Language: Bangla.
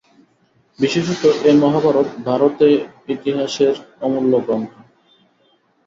বিশেষত এ মহাভারত ভারতেতিহাসের অমূল্য গ্রন্থ।